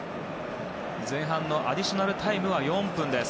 前半のアディショナルタイム４分です。